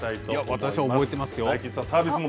私、覚えていますよ。